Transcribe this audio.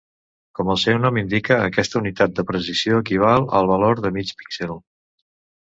Com el seu nom indica, aquesta unitat de precisió equival al valor de mig píxel.